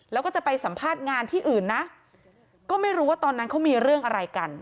แล้วก็จะไปสัมภาษณ์งานที่อื่นนะก็ไม่รู้ว่าตอนนั้นเขามีเรื่องอะไรกัน